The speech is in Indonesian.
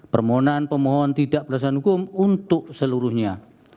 permohonan pemohon tidak berdasarkan hukum untuk seluruhnya